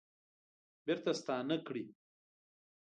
بیرته ستانه کړي